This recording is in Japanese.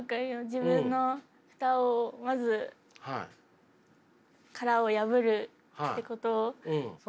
自分の蓋をまず殻を破るってこと。